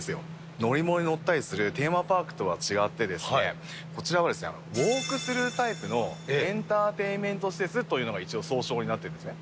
乗り物に乗ったりするテーマパークとは違ってですね、こちらはウォークスルータイプの、エンターテイメント施設というのが一応、総称になってるんですね。